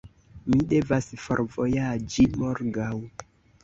Mi devas forvojaĝi morgaŭ.